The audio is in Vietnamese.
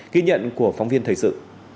ghi nhận của phóng viên thầy sự